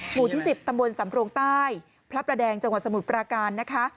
หมู่ที่๑๐ตำบลสำโรงใต้พระประแดงจังหวัดสมุทรปราการนะคะ